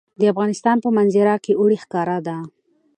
د افغانستان په منظره کې اوړي ښکاره ده.